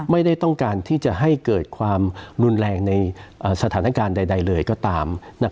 ไม่ได้ต้องการที่จะให้เกิดความรุนแรงในสถานการณ์ใดเลยก็ตาม